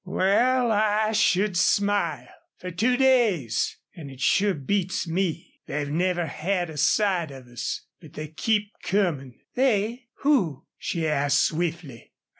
"Wal, I should smile! Fer two days an' it sure beats me. They've never had a sight of us. But they keep comin'." "They! Who?" she asked, swiftly.